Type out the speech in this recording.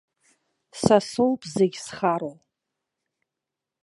Са соуп зегь зхароу.